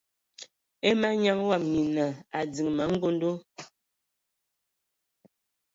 E manyaŋ wɔm nyina a diŋ ma angondo.